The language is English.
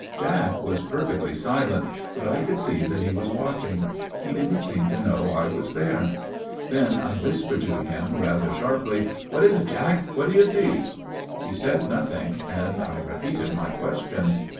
" Jack was perfectly silent, but I could see that he was watching. He didn't seem to know I was there. " Then I whispered to him rather sharply. 11 ' What is it, Jack ? What do you see ?'" He said nothing, and I repeated my question.